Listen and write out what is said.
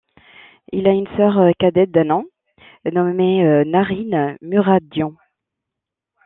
Il a une sœur cadette d'un an nommée Narine Muradyan.